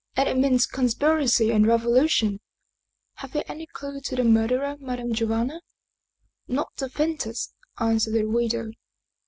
And it means conspiracy and revolu tion "" Have they any clew to the murderer, Madame Gio vanna? "" Not the faintest," answered the widow.